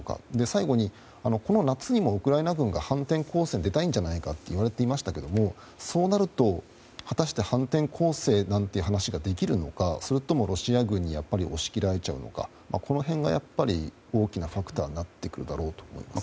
最後に、この夏にもウクライナ軍が反転攻勢に出たいんじゃないかといわれていましたがそうなると、果たして反転攻勢なんていう話ができるのかそれともロシア軍に押し切られちゃうのかこの辺が大きなファクターになってくるだろうと思います。